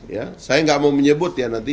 ya saya nggak mau menyebut ya nanti